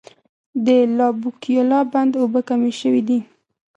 د لابوکویلا بند اوبه کمې شوي دي.